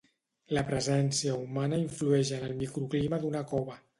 La presència humana influeix en el microclima d'una cova.